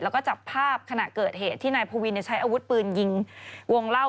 แล้วก็จับภาพขณะเกิดเหตุที่นายพวินใช้อาวุธปืนยิงวงเล่า